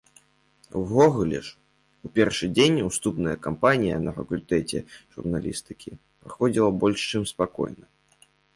Увогуле ж, у першы дзень уступная кампанія на факультэце журналістыкі праходзіла больш чым спакойна.